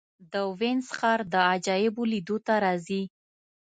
د وینز ښار د عجایبو لیدو ته راځي.